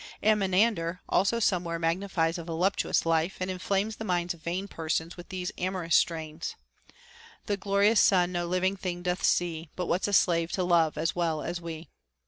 And Menander also somewhere magnifies a voluptuous life, and inflames the minds of vain persons with these amorous strains, The glorious sun no living thing doth see, But what's a slave to love as well as we.